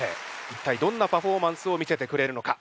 一体どんなパフォーマンスを見せてくれるのか？